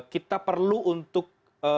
kita perlu untuk